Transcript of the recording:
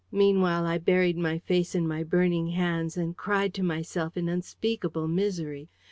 Meanwhile, I buried my face in my burning hands, and cried to myself in unspeakable misery.